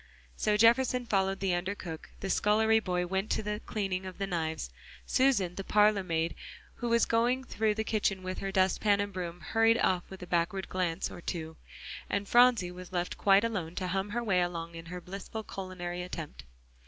So Jefferson followed the under cook, the scullery boy went back to cleaning the knives, Susan, the parlor maid who was going through the kitchen with her dustpan and broom, hurried off with a backward glance or two, and Phronsie was left quite alone to hum her way along in her blissful culinary attempt.